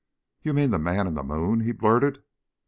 "You mean the man in the moon?" he blurted.